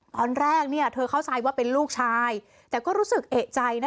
ตอนแรกเนี่ยเธอเข้าใจว่าเป็นลูกชายแต่ก็รู้สึกเอกใจนะ